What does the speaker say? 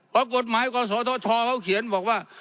เพราะกฎหมายกศธชเขาเขียนบอกว่า